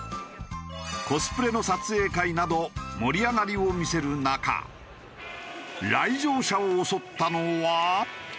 コスプレの撮影会など盛り上がりを見せる中来場者を襲ったのは。